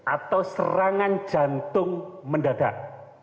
atau serangan jantung mendadak